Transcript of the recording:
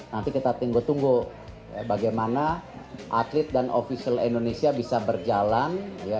nanti kita tunggu tunggu bagaimana atlet dan ofisial indonesia bisa berjalan